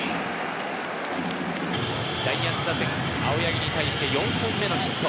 ジャイアンツ打線、青柳に対して４本目のヒット。